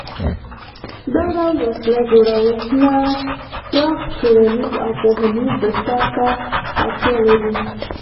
دا ډول وسله جوړونه پراخ ټولنیز او پوهنیز بستر ته اړتیا لري.